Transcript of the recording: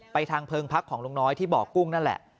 ทางเพิงพักของลุงน้อยที่บ่อกุ้งนั่นแหละ